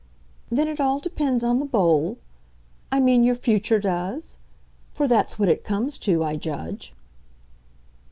"Then it all depends on the bowl? I mean your future does? For that's what it comes to, I judge."